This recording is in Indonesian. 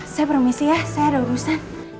saya permisi ya saya ada urusan